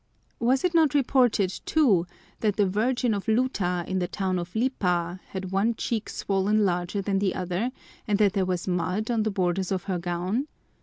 Was it not reported, too, that the Virgin of Luta in the town of Lipa had one cheek swollen larger than the other and that there was mud on the borders of her gown?